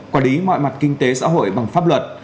quản lý mọi mặt kinh tế xã hội bằng pháp luật